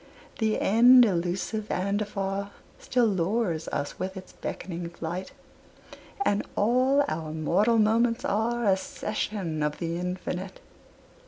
The end, elusive and afar, Still lures us with its beckoning flight, And all our mortal moments are A session of the Infinite.